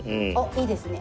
いいですね。